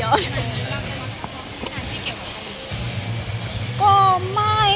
หลังจากนั้นรับใจว่าเจียนมีงานที่เกี่ยวกับเกาหลีด้วยไหม